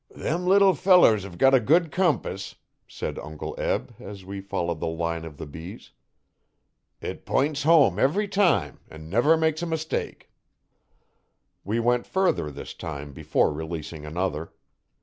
'Them little fellers hev got a good compass,' said Uncle Eb, as we followed the line of the bees. 'It p'ints home ev'ry time, an' never makes a mistake.' We went further this time before releasing another.